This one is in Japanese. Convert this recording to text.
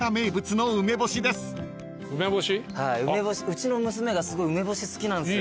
うちの娘がすごい梅干し好きなんすよ。